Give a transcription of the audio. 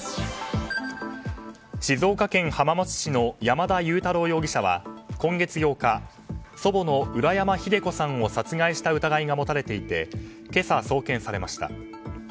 静岡県浜松市の山田悠太郎容疑者は今月８日、祖母の浦山秀子さんを殺害した疑いが持たれていて今朝、送検されました。